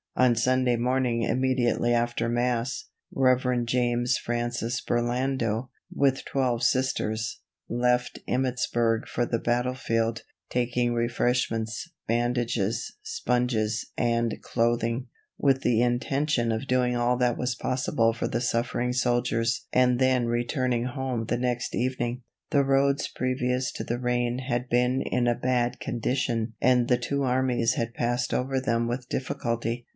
On Sunday morning immediately after Mass, Rev. James Francis Burlando, with twelve Sisters, left Emmittsburg for the battlefield, taking refreshments, bandages, sponges and clothing, with the intention of doing all that was possible for the suffering soldiers and then returning home the next evening. The roads previous to the rain had been in a bad condition and the two armies had passed over them with difficulty.